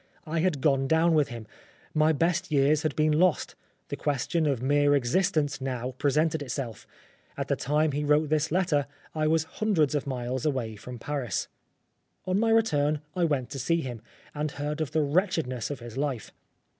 I had gone down with him. My best years had been lost the question of mere existence now presented itself. At the time he wrote this letter I was hundreds of miles away from Paris. On my return I went to see him, and heard of the wretchedness of his life.